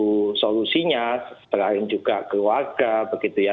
nah salah satu solusinya setelah lain juga keluarga begitu ya